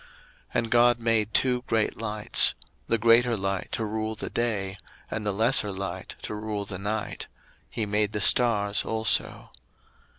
01:001:016 And God made two great lights; the greater light to rule the day, and the lesser light to rule the night: he made the stars also.